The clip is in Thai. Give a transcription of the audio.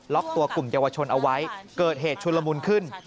ตัวกลุ่มเยาวชนเอาไว้เกิดเหตุชุลมุนขึ้น